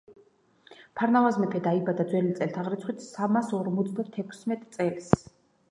ფარნავაზ მეფე დაიბადა ძველი წელთაღრიცხვით სამასორმოცდატექვსმეტ წელს